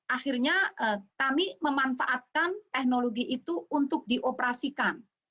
akhirnya kami memanfaatkan teknologi itu untuk dioperasikan